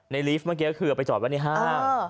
ในลิฟต์เมื่อกี้น่ะคือเอาไปจอดไว้นี้ห้าง